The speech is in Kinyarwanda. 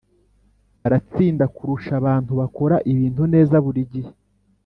baratsinda kurusha abantu bakora ibintu neza buri gihe